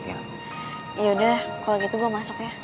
yaudah kalau gitu gue masuk ya